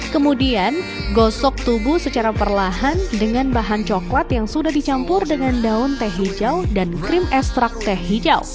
kemudian gosok tubuh secara perlahan dengan bahan coklat yang sudah dicampur dengan daun teh hijau dan krim ekstrak teh hijau